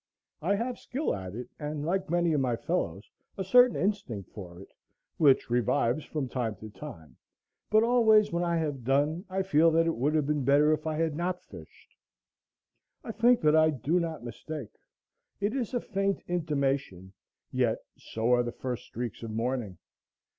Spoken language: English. I have skill at it, and, like many of my fellows, a certain instinct for it, which revives from time to time, but always when I have done I feel that it would have been better if I had not fished. I think that I do not mistake. It is a faint intimation, yet so are the first streaks of morning.